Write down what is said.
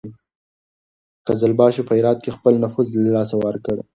قزلباشو په هرات کې خپل نفوذ له لاسه ورکړ.